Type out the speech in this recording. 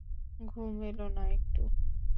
ঘুম এলোনা একটুও।